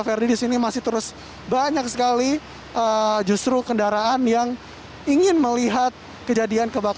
jadi di sini masih terus banyak sekali justru kendaraan yang ingin melihat kejadian kebakaran